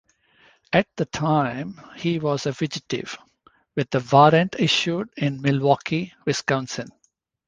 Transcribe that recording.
At the time, he was a fugitive, with a warrant issued in Milwaukee, Wisconsin.